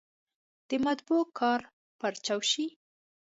د مطبعو کار پارچاو شي.